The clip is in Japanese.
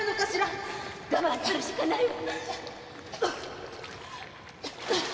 我慢するしかないわ。